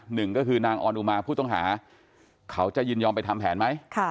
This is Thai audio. หนึ่งก็คือนางออนอุมาผู้ต้องหาเขาจะยินยอมไปทำแผนไหม